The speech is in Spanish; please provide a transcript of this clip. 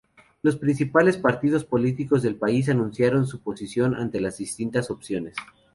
Los principales partidos políticos del país anunciaron su posición ante las distintas opciones.